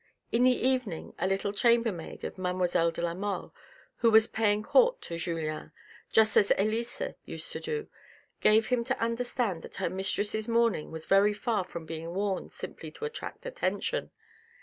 In the evening a little chambermaid of mademoiselle de la Mole, who was paying court to Julien, just as Elisa had used to do, gave him to understand that her mistress's mourning was very far from being worn simply to attract attention.